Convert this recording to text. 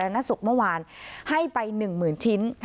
ธรรณสุขเมื่อวานให้ไปหนึ่งหมื่นชิ้น